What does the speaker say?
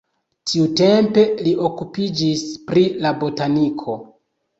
Tiutempe li okupiĝis pri la botaniko.